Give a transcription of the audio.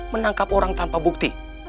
menangkap orang tanpa bukti